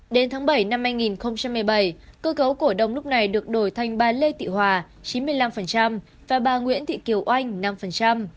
đến tháng bảy năm hai nghìn một mươi bảy cơ cấu cổ đông lúc này được đổi thành bà lê tị hòa chín mươi năm và bà nguyễn thị kiều oanh năm